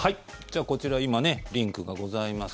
こちら今、リンクがございます。